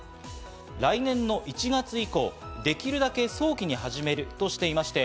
来年の１月以降、できるだけ早期に始めるとしていまして、